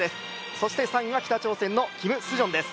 そして３位は、北朝鮮のキムスジョンです。